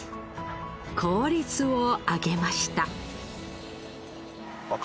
効率を上げました。